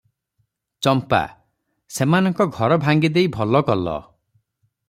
ଚମ୍ପା: ସେମାନଙ୍କ ଘର ଭାଙ୍ଗିଦେଇ ଭଲ କଲ ।